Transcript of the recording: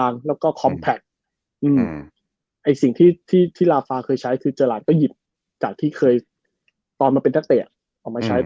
อ่าแล้วก็อืม